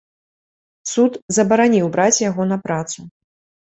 Суд забараніў браць яго на працу.